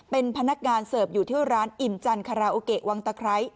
เป็นพนักงานเสิร์ฟอยู่ที่ร้านอิ่มจันคาราโอเกะวังตะไคร้